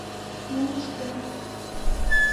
Мом ыштеныт?